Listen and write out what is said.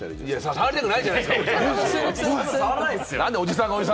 触りたくないじゃないですか。